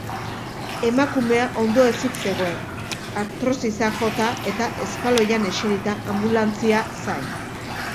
Emakumea ondoezik zegoen, artrosisak jota eta espaloian eserita, anbulantzia zain.